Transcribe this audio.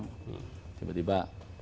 tiba tiba menteri siapa